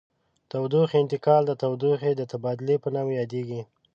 تودوخې انتقال د تودوخې د تبادل په نامه یادیږي.